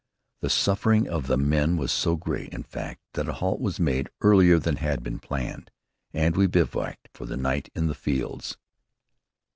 The suffering of the men was so great, in fact, that a halt was made earlier than had been planned, and we bivouacked for the night in the fields.